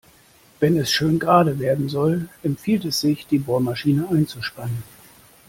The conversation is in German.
Wenn es schön gerade werden soll, empfiehlt es sich, die Bohrmaschine einzuspannen.